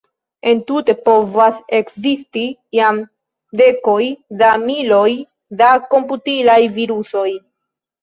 Entute povas ekzisti jam dekoj da miloj da komputilaj virusoj.